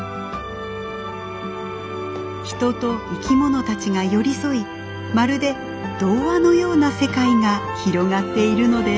人と生き物たちが寄り添いまるで童話のような世界が広がっているのです。